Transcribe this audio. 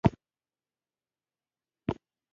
پرمختللې ټولنې ستونزې څېړي